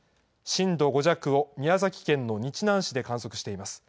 震度５弱を宮崎県の日南市で観測しています。